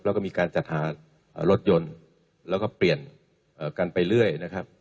แล้วก็มีการจัดหารถยนต์แล้วก็เปลี่ยนกันไปเรื่อยนะครับ